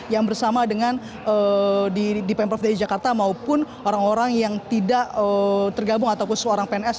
yang bersama dengan di pemprov dki jakarta maupun orang orang yang tidak tergabung ataupun seorang pns